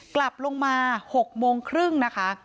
กลับลงมา๖โมงครึ่งนะคะ